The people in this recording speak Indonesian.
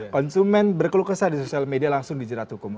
konsumen berkeluh kesah di sosial media langsung dijerat hukum